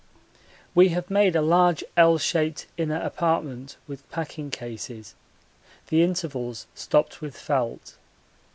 We have made a large L shaped inner apartment with packing cases, the intervals stopped with felt.